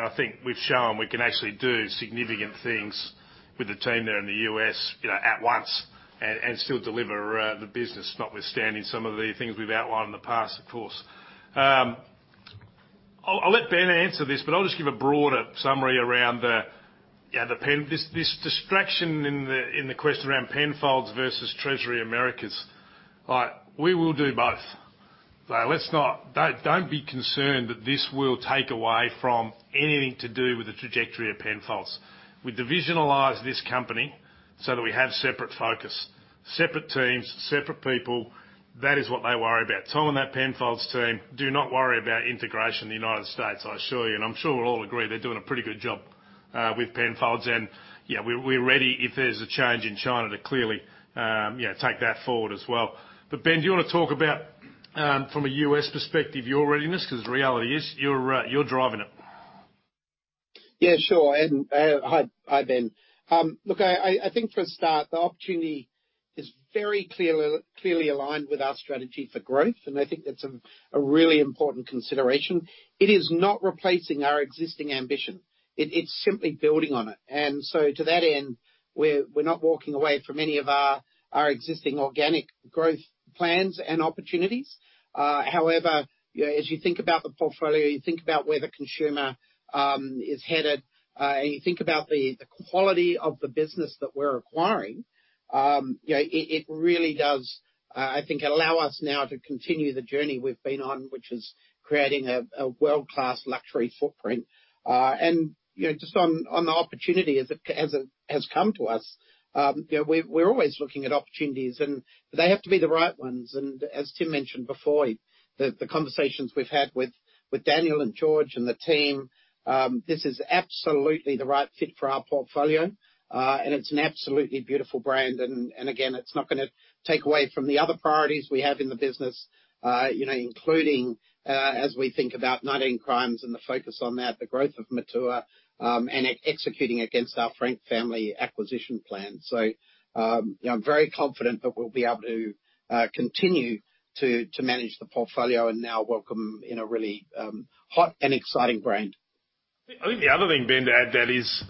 I think we've shown we can actually do significant things with the team there in the US, you know, at once, and still deliver the business, notwithstanding some of the things we've outlined in the past, of course. I'll let Ben answer this, but I'll just give a broader summary around the Penfolds—this distraction in the question around Penfolds versus Treasury Americas. All right, we will do both. Let's not... Don't be concerned that this will take away from anything to do with the trajectory of Penfolds. We divisionalize this company so that we have separate focus, separate teams, separate people. That is what they worry about. Tell them that Penfolds team, "Do not worry about integration in the United States," I assure you, and I'm sure we'll all agree, they're doing a pretty good job with Penfolds. Yeah, we're ready if there's a change in China to clearly, you know, take that forward as well. But Ben, do you want to talk about from a U.S. perspective, your readiness? Because the reality is, you're driving it. Yeah, sure. Hi, Ben. Look, I think for a start, the opportunity is very clearly aligned with our strategy for growth, and I think that's a really important consideration. It is not replacing our existing ambition. It's simply building on it. And so to that end, we're not walking away from any of our existing organic growth plans and opportunities. However, you know, as you think about the portfolio, you think about where the consumer is headed, and you think about the quality of the business that we're acquiring, you know, it really does, I think, allow us now to continue the journey we've been on, which is creating a world-class luxury footprint. And, you know, just on the opportunity as it has come to us, you know, we're always looking at opportunities and they have to be the right ones. And as Tim mentioned before, the conversations we've had with Daniel and Georges and the team, this is absolutely the right fit for our portfolio, and it's an absolutely beautiful brand. And again, it's not gonna take away from the other priorities we have in the business, you know, including as we think about 19 Crimes and the focus on that, the growth of Matua, and executing against our Frank Family acquisition plan. So, you know, I'm very confident that we'll be able to continue to manage the portfolio and now welcome in a really hot and exciting brand. I think the other thing, Ben, to add to that is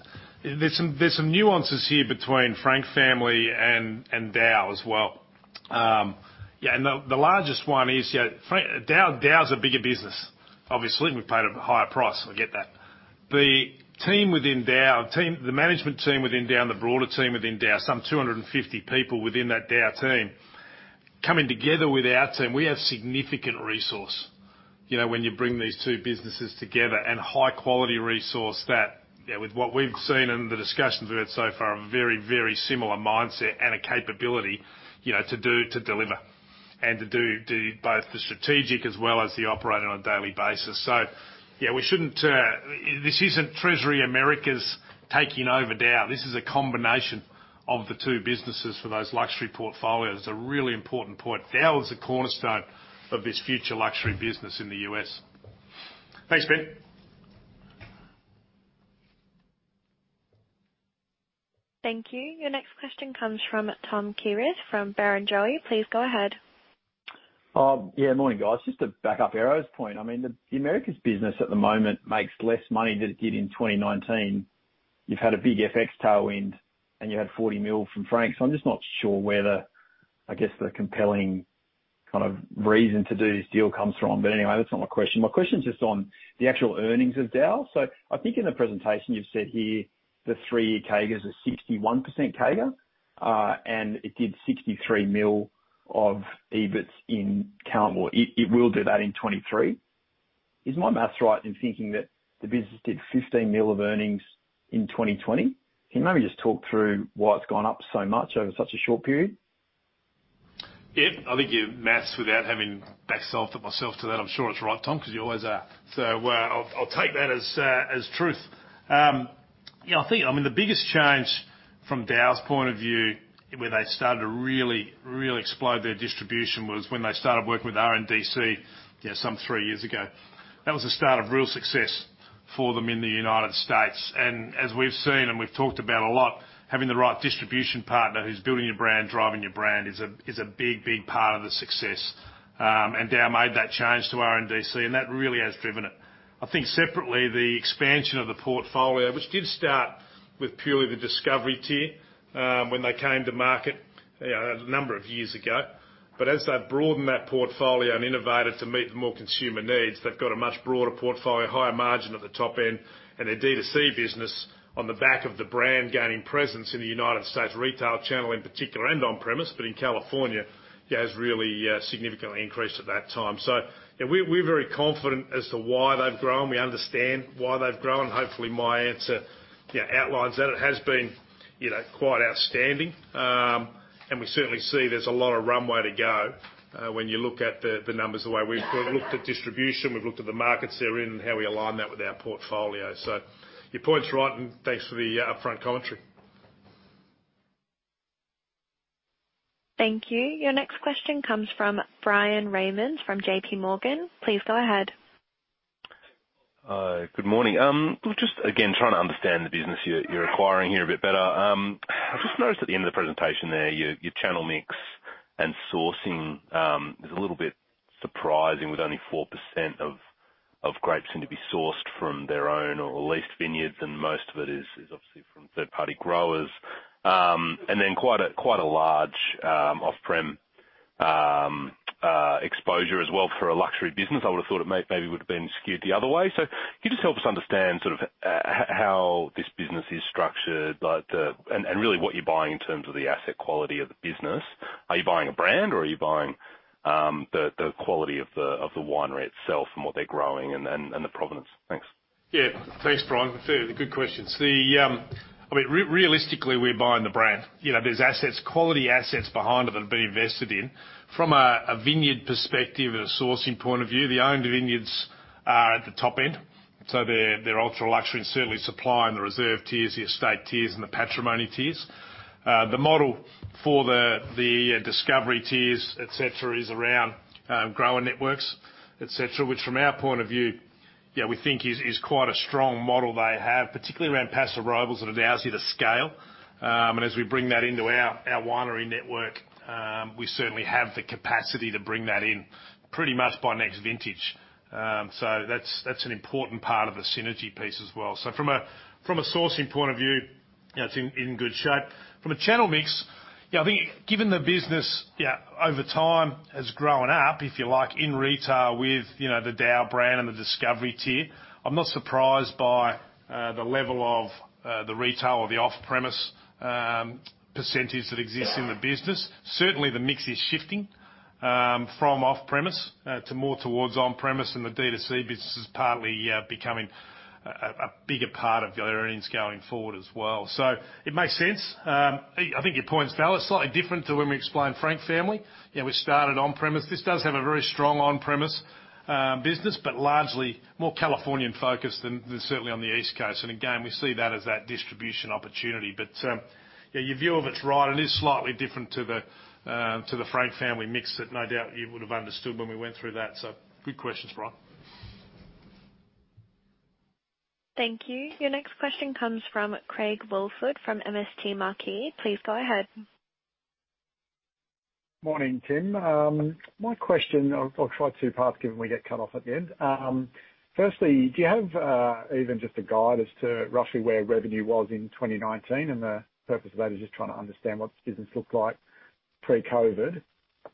there's some, there's some nuances here between Frank Family and DAOU as well. Yeah, and the largest one is, you know, Frank Family - DAOU, DAOU's a bigger business. Obviously, we paid a higher price. I get that. The management team within DAOU and the broader team within DAOU, some 250 people within that DAOU team, coming together with our team, we have significant resource, you know, when you bring these two businesses together, and high quality resource that, you know, with what we've seen in the discussions we've had so far, a very, very similar mindset and a capability, you know, to deliver and to do both the strategic as well as the operating on a daily basis. So, yeah, we shouldn't... This isn't Treasury Americas taking over DAOU. This is a combination of the two businesses for those luxury portfolios. It's a really important point. DAOU is the cornerstone of this future luxury business in the U.S. Thanks, Ben. Thank you. Your next question comes from Tom Kierath, from Barrenjoey. Please go ahead. Yeah, morning, guys. Just to back up Arrow's point, I mean, the Americas business at the moment makes less money than it did in 2019. You've had a big FX tailwind, and you had 40 million from Frank, so I'm just not sure where the, I guess, the compelling kind of reason to do this deal comes from. But anyway, that's not my question. My question is just on the actual earnings of DAOU. So I think in the presentation, you've said here, the three CAGRs are 61% CAGR, and it did 63 million of EBIT. It will do that in 2023. Is my math right in thinking that the business did 15 million of earnings in 2020? Can you maybe just talk through why it's gone up so much over such a short period? Yeah. I think your math, without having myself to that, I'm sure it's right, Tom, 'cause you always are. So, I'll take that as truth. Yeah, I think, I mean, the biggest change from DAOU's point of view, where they started to really, really explode their distribution was when they started working with RNDC, you know, some three years ago. That was the start of real success for them in the United States. And as we've seen, and we've talked about a lot, having the right distribution partner who's building your brand, driving your brand, is a big, big part of the success. And DAOU made that change to RNDC, and that really has driven it. I think separately, the expansion of the portfolio, which did start with purely the Discovery tier, when they came to market, a number of years ago. But as they've broadened that portfolio and innovated to meet the more consumer needs, they've got a much broader portfolio, higher margin at the top end, and their D2C business on the back of the brand gaining presence in the United States retail channel, in particular, and on-premise. But in California, yeah, has really significantly increased at that time. So, yeah, we're very confident as to why they've grown. We understand why they've grown. Hopefully, my answer, you know, outlines that. It has been, you know, quite outstanding, and we certainly see there's a lot of runway to go, when you look at the numbers, the way we've looked at distribution, we've looked at the markets they're in, and how we align that with our portfolio. So your point's right, and thanks for the upfront commentary. Thank you. Your next question comes from Bryan Raymond, from J.P. Morgan. Please go ahead. Good morning. Just again, trying to understand the business you're acquiring here a bit better. I just noticed at the end of the presentation there, your channel mix and sourcing is a little bit surprising, with only 4% of grapes seem to be sourced from their own or leased vineyards, and most of it is obviously from third-party growers. And then quite a large off-prem exposure as well for a luxury business. I would've thought it maybe would've been skewed the other way. So can you just help us understand sort of how this business is structured, like the... and really what you're buying in terms of the asset quality of the business? Are you buying a brand, or are you buying the quality of the winery itself and what they're growing and then the provenance? Thanks. Yeah. Thanks, Bryan, for the good questions. I mean, realistically, we're buying the brand. You know, there's assets, quality assets behind it that have been invested in. From a vineyard perspective and a sourcing point of view, the owned vineyards are at the top end, so they're ultra-luxury and certainly supplying the Reserve tiers, the Estate tiers, and the Patrimony tiers. The model for the Discovery tiers, et cetera, is around grower networks, et cetera, which, from our point of view, yeah, we think is quite a strong model they have, particularly around Paso Robles, and it allows you to scale. And as we bring that into our winery network, we certainly have the capacity to bring that in pretty much by next vintage. So that's, that's an important part of the synergy piece as well. So from a sourcing point of view, yeah, it's in good shape. From a channel mix, yeah, I think given the business, yeah, over time, has grown up, if you like, in retail with, you know, the DAOU brand and the Discovery tier, I'm not surprised by the level of the retail or the off-premise percentage that exists in the business. Certainly, the mix is shifting from off-premise to more towards on-premise, and the D2C business is partly becoming a bigger part of their earnings going forward as well. So it makes sense. I think your point is valid. Slightly different to when we explained Frank Family. You know, we started on-premise. This does have a very strong on-premise business, but largely more Californian-focused than certainly on the East Coast. And again, we see that as that distribution opportunity. But yeah, your view of it's right, and it is slightly different to the Frank Family mix, that no doubt you would've understood when we went through that. So good questions, Brian. Thank you. Your next question comes from Craig Woolford, from MST Marquee. Please go ahead. Morning, Tim. My question, I'll try two parts, given we get cut off at the end. Firstly, do you have even just a guide as to roughly where revenue was in 2019? And the purpose of that is just trying to understand what the business looked like pre-COVID.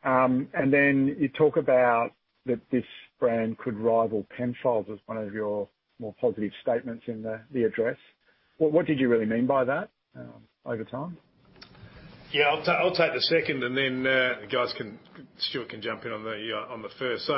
And then you talk about that this brand could rival Penfolds as one of your more positive statements in the, the address. What did you really mean by that over time? Yeah, I'll take, I'll take the second, and then the guys can, Stuart can jump in on the first. So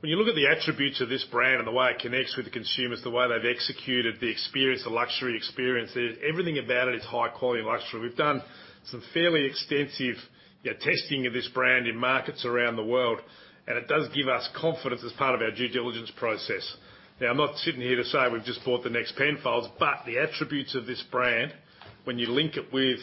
when you look at the attributes of this brand and the way it connects with the consumers, the way they've executed the experience, the luxury experience, everything about it is high quality and luxury. We've done some fairly extensive, yeah, testing of this brand in markets around the world, and it does give us confidence as part of our due diligence process. Now, I'm not sitting here to say we've just bought the next Penfolds, but the attributes of this brand, when you link it with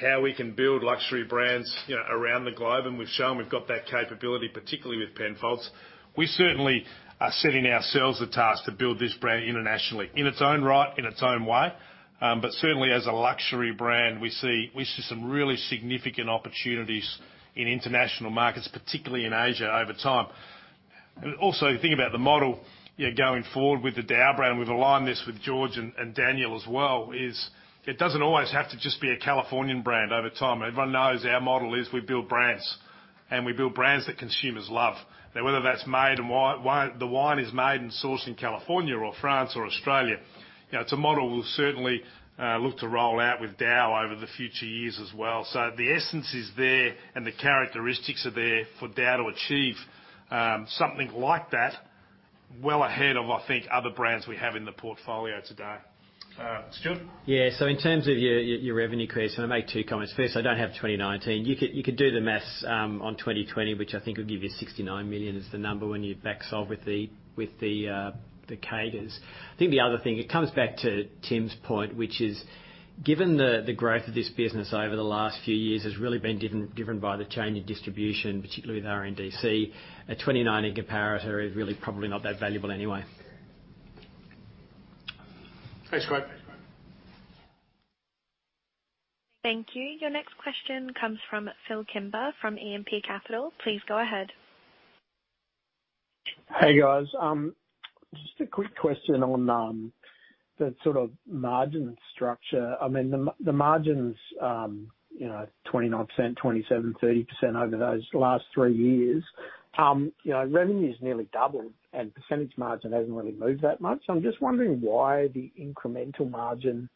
how we can build luxury brands, you know, around the globe, and we've shown we've got that capability, particularly with Penfolds, we certainly are setting ourselves a task to build this brand internationally, in its own right, in its own way. But certainly as a luxury brand, we see, we see some really significant opportunities in international markets, particularly in Asia, over time. And also, the thing about the model, you know, going forward with the DAOU brand, we've aligned this with Georges and Daniel as well, is it doesn't always have to just be a Californian brand over time. Everyone knows our model is we build brands, and we build brands that consumers love. Now, whether that's made in wine is made and sourced in California or France or Australia, you know, it's a model we'll certainly look to roll out with DAOU over the future years as well. So the essence is there, and the characteristics are there for DAOU to achieve something like that, well ahead of, I think, other brands we have in the portfolio today. Stuart? Yeah, so in terms of your revenue, Chris, I'm going to make two comments. First, I don't have 2019. You could do the math on 2020, which I think will give you 69 million as the number when you back solve with the CAGRs. I think the other thing, it comes back to Tim's point, which is, given the growth of this business over the last few years has really been driven by the change in distribution, particularly with RNDC, a 2019 comparator is really probably not that valuable anyway. Thanks, Craig. Thank you. Your next question comes from Phil Kimber, from E&P Capital. Please go ahead. Hey, guys. Just a quick question on the sort of margin structure. I mean, the margins, you know, 29%, 27%, 30% over those last three years. You know, revenue's nearly doubled, and percentage margin hasn't really moved that much. So I'm just wondering why the incremental margin,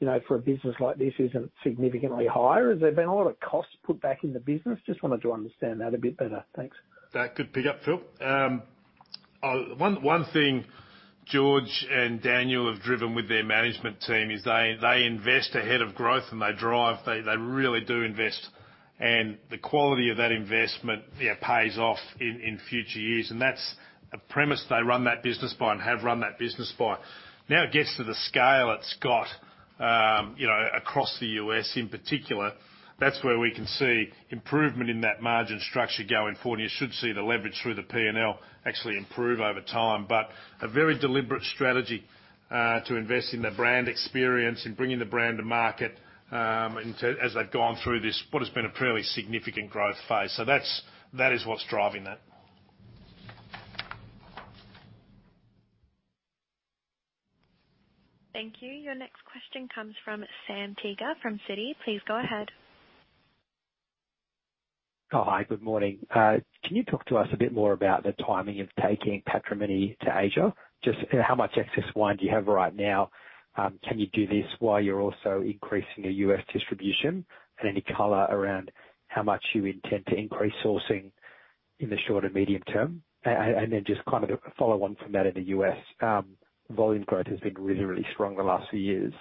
you know, for a business like this, isn't significantly higher. Has there been a lot of costs put back in the business? Just wanted to understand that a bit better. Thanks. That good pick up, Phil. One thing George and Daniel have driven with their management team is they invest ahead of growth, and they really do invest, and the quality of that investment pays off in future years. And that's a premise they run that business by and have run that business by. Now, it gets to the scale it's got, you know, across the U.S. in particular, that's where we can see improvement in that margin structure going forward. You should see the leverage through the P&L actually improve over time, but a very deliberate strategy to invest in the brand experience, in bringing the brand to market, as they've gone through this, what has been a fairly significant growth phase. So that is what's driving that. Thank you. Your next question comes from Sam Teeger from Citi. Please go ahead. Oh, hi, good morning. Can you talk to us a bit more about the timing of taking Patrimony to Asia? Just, you know, how much excess wine do you have right now? Can you do this while you're also increasing your U.S. distribution? And any color around how much you intend to increase sourcing in the short and medium term. And then just kind of a follow on from that, in the U.S., volume growth has been really, really strong the last few years.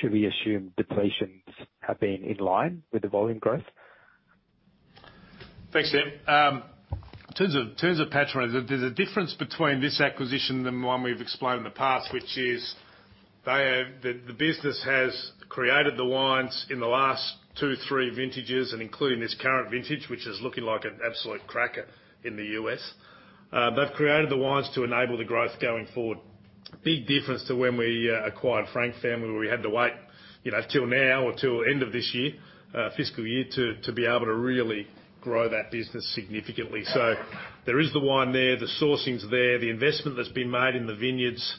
Should we assume depletions have been in line with the volume growth? Thanks, Sam. In terms of, in terms of Patrimony, there's a difference between this acquisition and the one we've explained in the past, which is the business has created the wines in the last two, three vintages, and including this current vintage, which is looking like an absolute cracker in the U.S. They've created the wines to enable the growth going forward. Big difference to when we acquired Frank Family, where we had to wait, you know, till now or till end of this year, fiscal year, to be able to really grow that business significantly. So there is the wine there, the sourcing's there. The investment that's been made in the vineyards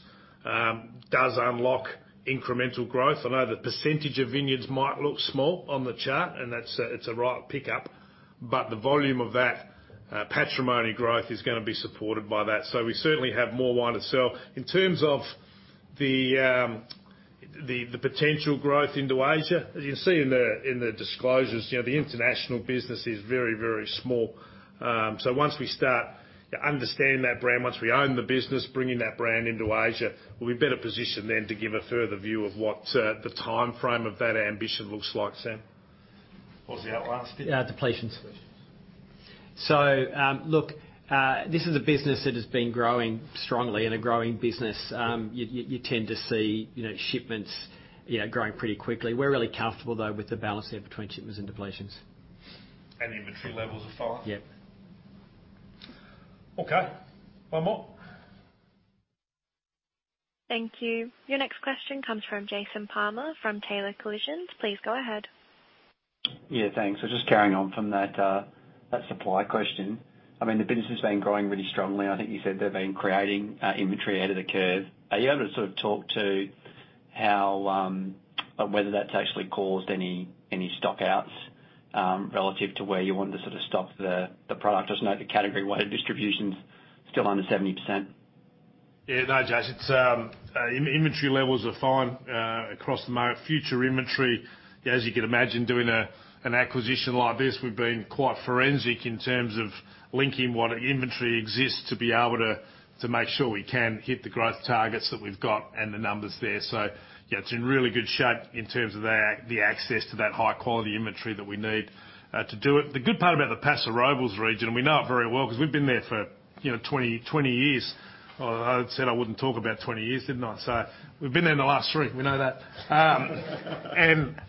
does unlock incremental growth. I know the percentage of vineyards might look small on the chart, and that's a, it's a right pickup, but the volume of that Patrimony growth is gonna be supported by that. So we certainly have more wine to sell. In terms of the potential growth into Asia, as you can see in the disclosures, you know, the international business is very, very small. So once we start to understand that brand, once we own the business, bringing that brand into Asia, we'll be better positioned then to give a further view of what the timeframe of that ambition looks like, Sam. What was the outro last bit? Uh, depletions. Depletions. So, look, this is a business that has been growing strongly. In a growing business, you tend to see, you know, shipments, you know, growing pretty quickly. We're really comfortable, though, with the balance there between shipments and depletions. The inventory levels are fine? Yep. Okay. One more? Thank you. Your next question comes from Jason Palmer, from Taylor Collisons. Please go ahead. Yeah, thanks. So just carrying on from that, that supply question. I mean, the business has been growing really strongly. I think you said they've been creating, inventory ahead of the curve. Are you able to sort of talk to how, or whether that's actually caused any, any stock outs, relative to where you want to sort of stock the, the product? I just know the category-wide distribution's still under 70%. Yeah. No, Jason, it's inventory levels are fine across the market. Future inventory, as you can imagine, doing an acquisition like this, we've been quite forensic in terms of linking what inventory exists to be able to make sure we can hit the growth targets that we've got and the numbers there. So yeah, it's in really good shape in terms of the access to that high-quality inventory that we need to do it. The good part about the Paso Robles region, we know it very well 'cause we've been there for, you know, 20 years. I said I wouldn't talk about 20 years, didn't I? So we've been there in the last three, we know that. And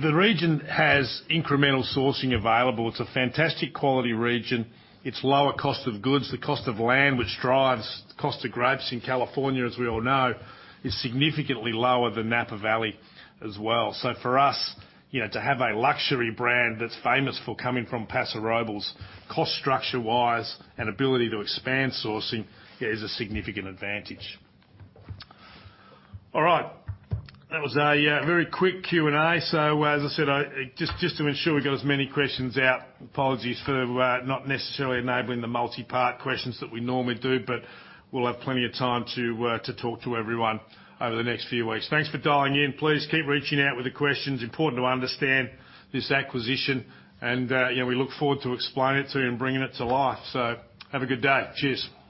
the region has incremental sourcing available. It's a fantastic quality region. It's lower cost of goods. The cost of land, which drives the cost of grapes in California, as we all know, is significantly lower than Napa Valley as well. So for us, you know, to have a luxury brand that's famous for coming from Paso Robles, cost structure-wise and ability to expand sourcing, yeah, is a significant advantage. All right. That was a very quick Q&A. So as I said, just to ensure we got as many questions out, apologies for not necessarily enabling the multi-part questions that we normally do, but we'll have plenty of time to talk to everyone over the next few weeks. Thanks for dialing in. Please keep reaching out with the questions. Important to understand this acquisition, and, you know, we look forward to explaining it to you and bringing it to life. So have a good day. Cheers!